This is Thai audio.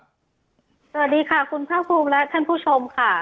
สวัสดีค่ะคุณภาคภูมิและท่านผู้ชมค่ะ